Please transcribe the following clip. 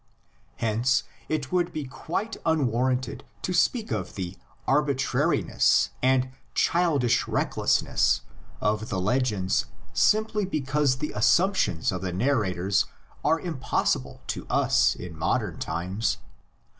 Hence it would be quite unwarranted to speak of the "arbitrariness" and "childish recklessness" of the legends simply because the assumptions of the narrators are impossible to us in modern times.